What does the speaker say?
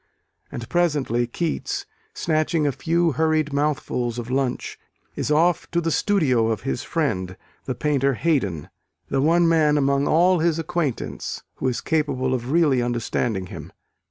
And presently Keats, snatching a few hurried mouthfuls of lunch, is off to the studio of his friend, the painter Haydon the one man among all his acquaintance who is capable of really understanding him.